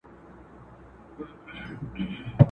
څوك به راسي د ايوب سره ملګري!